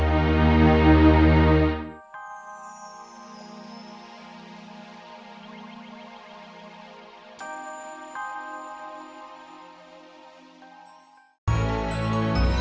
sampai jumpa lagi